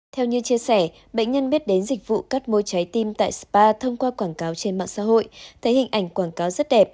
theo như chia sẻ bệnh nhân biết đến dịch vụ cắt môi trái tim tại spa thông qua quảng cáo trên mạng xã hội thấy hình ảnh quảng cáo rất đẹp